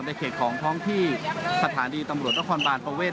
เขตของท้องที่สถานีตำรวจนครบานประเวท